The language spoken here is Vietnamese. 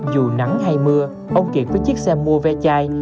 dù nắng hay mưa ông kiệt với chiếc xe mua ve chai